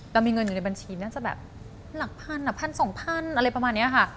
เรามีเงินอยู่ในบัญชีน่าจะแบบหลักพันหลักพันสองพันอะไรประมาณนี้ค่ะ